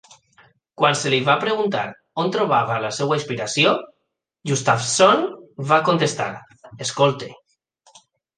Quan se li va preguntar on trobava la seva inspiració, Gustafsson va contestar: "Escolto".